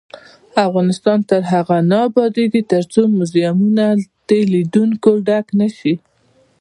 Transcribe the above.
افغانستان تر هغو نه ابادیږي، ترڅو موزیمونه د لیدونکو ډک نشي.